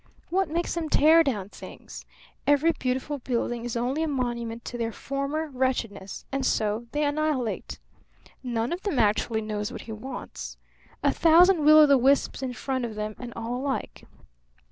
What makes them tear down things? Every beautiful building is only a monument to their former wretchedness; and so they annihilate. None of them actually knows what he wants. A thousand will o' the wisps in front of them, and all alike.